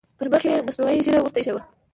پر مخ یې مصنوعي ږیره ورته اېښې وي.